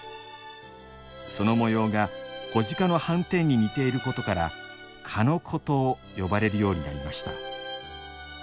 その模様が子鹿の斑点に似ていることから「鹿の子」と呼ばれるようになりました。